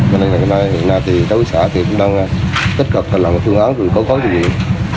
nên là hiện nay thì các quý xã cũng đang tích cực lần phương án rồi báo tố huyện